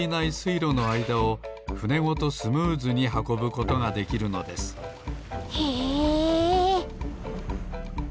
いろのあいだをふねごとスムーズにはこぶことができるのですへえ！